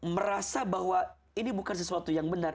merasa bahwa ini bukan sesuatu yang benar